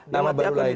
nama baru lagi